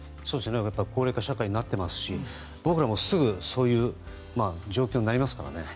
高齢化社会になっていますし、僕らもすぐそういう状況になりますからね。